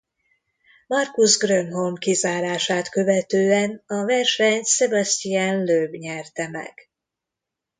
Marcus Grönholm kizárását követően a versenyt Sébastien Loeb nyerte meg.